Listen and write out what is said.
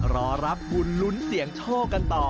รอรับบุญลุ้นเสี่ยงโชคกันต่อ